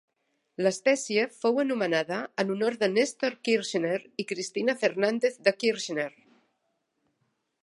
L'espècie fou anomenada en honor de Néstor Kirchner i Cristina Fernández de Kirchner.